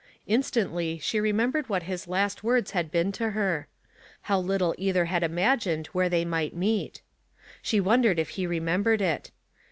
Instantly she remembered what his last words had been to her. How little either had imagined where they might meet. She won dered if he remembered it.